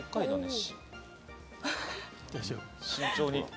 慎重に。